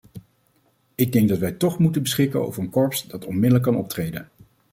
Ik denk dat wij toch moeten beschikken over een corps dat onmiddellijk kan optreden.